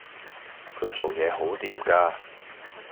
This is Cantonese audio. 佢做嘢好掂㗎